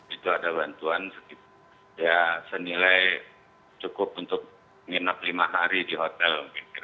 itu ada bantuan ya senilai cukup untuk menginap lima hari di hotel